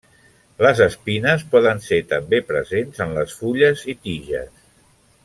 Les espines poden ser també presents en les fulles i tiges.